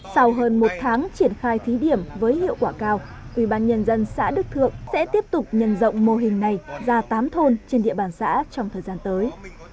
sau hơn một tháng triển khai thí điểm với hiệu quả cao ủy ban nhân dân xã đức thượng sẽ tiếp tục nhân rộng mô hình này ra tám thôn trên địa bàn xã trong thời gian tới